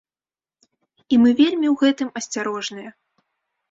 І мы вельмі ў гэтым асцярожныя.